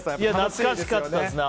懐かしかったですね。